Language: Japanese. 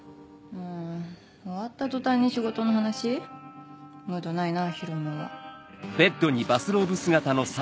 もう終わった途端に仕事の話？ムードないなぁヒロムーは。